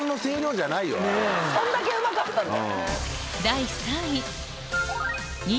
そんだけうまかったんだよ。